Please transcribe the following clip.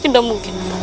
tidak mungkin abang